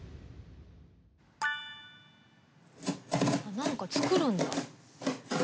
何か作るんだ。